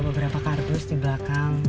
beberapa kardus di belakang